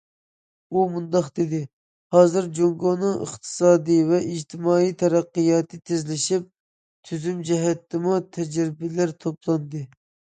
ئۇ مۇنداق دېدى: ھازىر جۇڭگونىڭ ئىقتىسادىي ۋە ئىجتىمائىي تەرەققىياتى تېزلىشىپ، تۈزۈم جەھەتتىمۇ تەجرىبىلەر توپلاندى.